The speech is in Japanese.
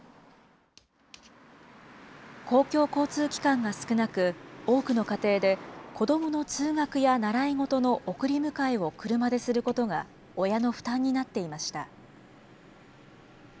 公共交通機関が少なく、多くの家庭で、子どもの通学や習い事の送り迎えを車ですることが親の負担になっていました。